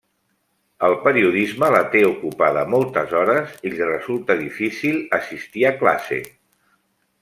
El periodisme la té ocupada moltes hores i li resulta difícil assistir a classe.